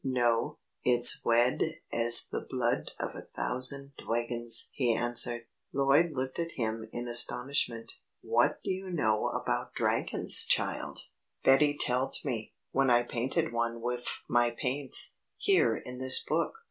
"No, it's wed as the blood of a thousand dwagons," he answered. Lloyd looked at him in astonishment. "What do you know about dragons, child?" "Betty telled me, when I painted one wif my paints, here in this book."